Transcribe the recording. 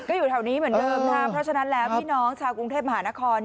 ก็อยู่แถวนี้เหมือนเดิมนะครับเพราะฉะนั้นแล้วพี่น้องชาวกรุงเทพมหานคร